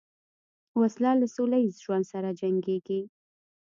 وسله له سولهییز ژوند سره جنګیږي